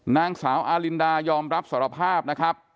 นางสาวอารินดายอมรับสารภาพนะครับ